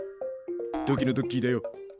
土器のドッキーだよ。